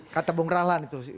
kata bung rahlan itu